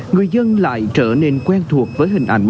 người dân lại trở nên quen thuộc với hình ảnh